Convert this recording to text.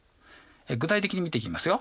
具体的に見ていきますよ。